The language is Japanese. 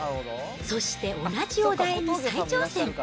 そして同じお題に再挑戦。